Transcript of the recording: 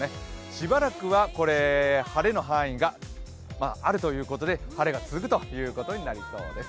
しばらくは晴れの範囲があるということで晴れが続くことになりそうです。